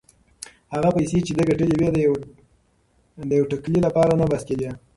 هغه پیسې چې ده ګټلې وې د یوې ټکلې لپاره نه بس کېدې.